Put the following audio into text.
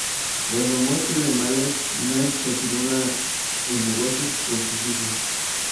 Tras la muerte de Mahler, Merz continuó el negocio con sus hijos.